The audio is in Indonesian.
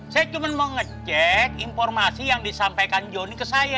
saya cuma mau ngecek informasi yang disampaikan johnny ke saya